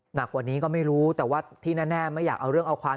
หนักกว่านี้ก็ไม่รู้แต่ว่าที่แน่ไม่อยากเอาเรื่องเอาความ